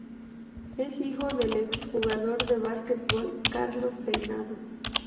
Es hijo del exjugador de basquetbol Carlos Peinado.